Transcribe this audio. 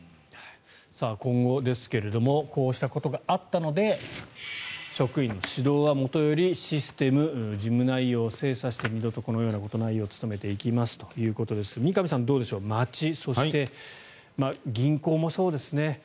今後ですがこうしたことがあったので職員の指導はもとよりシステム、事務内容を精査して二度とこのようなことのないよう努めていきますということですが三上さん、どうでしょう町、そして銀行もそうですね